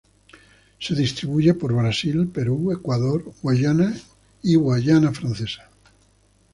Se distribuye por Brasil, Perú, Ecuador, Guyana, y Guayana Francesa.